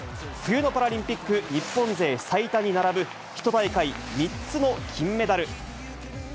冬のパラリンピック、日本勢最多に並ぶ、１大会３つの金メダル。